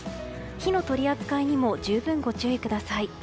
火の取り扱いにも十分ご注意ください。